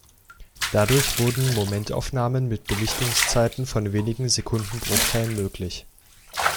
Dadurch wurden Momentaufnahmen mit Belichtungszeiten von wenigen Sekundenbruchteilen möglich.